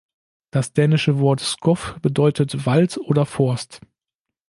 Das dänische Wort "Skov" bedeutet „Wald“ oder „Forst“.